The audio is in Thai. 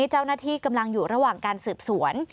เจ้าหน้าที่กำลังอยู่ระหว่างการสืบสวน